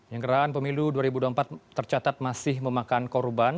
yang gerahan pemilu dua ribu dua puluh empat tercatat masih memakan korban